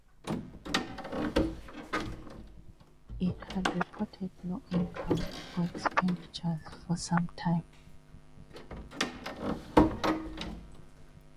It had reported no income or expenditures for some time.